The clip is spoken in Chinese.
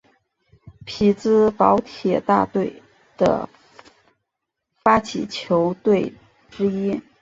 匹兹堡铁人队的发起球队之一。